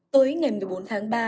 tới ngày một mươi bốn tháng ba